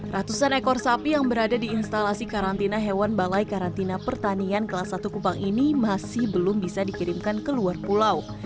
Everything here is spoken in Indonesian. ratusan ekor sapi yang berada di instalasi karantina hewan balai karantina pertanian kelas satu kupang ini masih belum bisa dikirimkan ke luar pulau